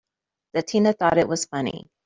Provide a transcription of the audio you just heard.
That Tina thought it was funny!